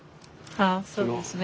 ああそうですね。